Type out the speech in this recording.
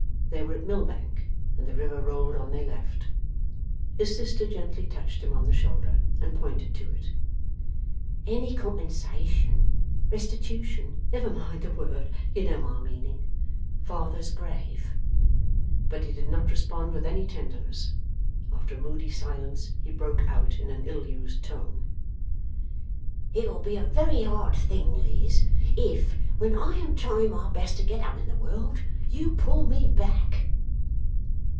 They were at Millbank, and the river rolled on their left. His sister gently touched him on the shoulder, and pointed to it. 'Any compensation restitution never mind the word, you know my meaning. Father's grave.' But he did not respond with any tenderness. After a moody silence he broke out in an ill used tone: 'It'll be a very hard thing, Liz, if, when I am trying my best to get up in the world, you pull me back.